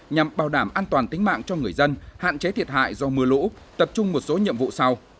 nhằm bảo đảm an toàn tính mạng cho người dân hạn chế thiệt hại do mưa lũ tập trung một số nhiệm vụ sau